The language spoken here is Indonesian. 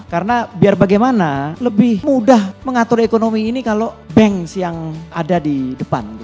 karena biar bagaimana lebih mudah mengatur ekonomi ini kalau bank yang ada di depan